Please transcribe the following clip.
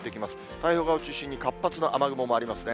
太平洋側を中心に活発な雨雲もありますね。